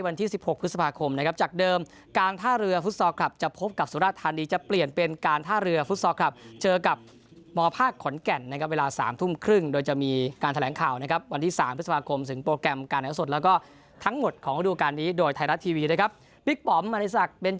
วันที่๑๖พฤษภาคมนะครับจากเดิมการท่าเรือพุธส